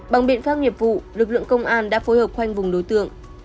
bằng biện pháp nghiệp vụ lực lượng công an đã phối hợp khoanh vùng đối tượng